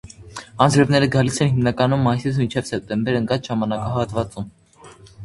Անձրևները գալիս են հիմնականում մայիսից մինչև սեպտեմբեր ընկած ժամանակահատվածում։